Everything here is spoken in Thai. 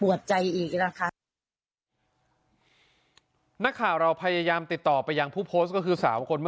ดีออบที่ที่เรานำมาที่ที่แกนี่เป็นสิ่งที่ฉันแกไม่